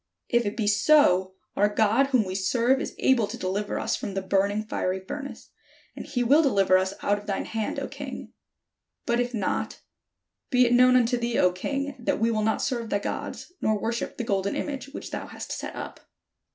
If it be so, our God whom we serve is able to deliver us from the burning fiery furnace, and he will deliver us out of thine hand, O king. But if not, be it known unto thee, O king, that we will not serve thy gods, nor worship the golden image which thou hast set up."